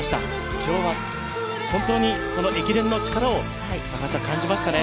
今日は本当にその駅伝の力を感じましたね。